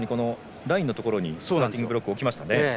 ラインのところにスターティングブロックを置きましたね。